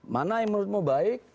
mana yang menurutmu baik